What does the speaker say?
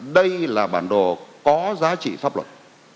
đây là bản đồ có giá trị pháp luật